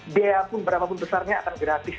biaya pun berapa pun besarnya akan gratis